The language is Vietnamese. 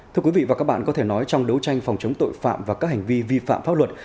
thưa quý vị và các bạn có thể nói trong đấu tranh phòng chống tội phạm và các hành vi vi phạm pháp luật